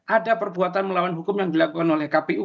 ada perbuatan melawan hukum yang dilakukan oleh kpu